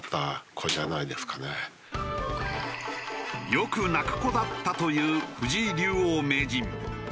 よく泣く子だったという藤井竜王・名人。